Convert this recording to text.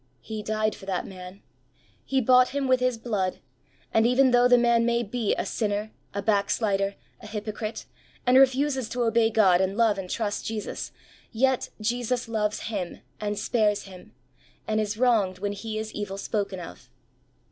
He died for that man. He bought him with His Blood, and even though the man may be a sinner, a backslider, a hypocrite, and refuses to obey God and love and trust Jesus, yet Jesus loves him and spares him, and is wronged when he is evil spoken of.